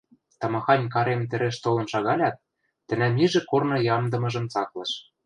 Тамахань карем тӹрӹш толын шагалят, тӹнӓм ижӹ корны ямдымыжым цаклыш.